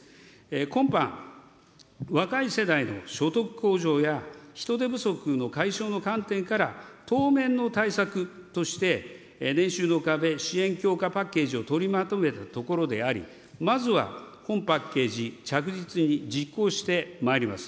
今般、若い世代の所得向上や、人手不足の解消の観点から、当面の対策として、年収の壁支援強化パッケージを取りまとめたところであり、まずは本パッケージ、着実に実行してまいります。